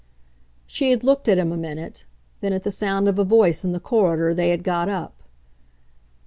She had looked at him a minute; then, at the sound of a voice in the corridor, they had got up.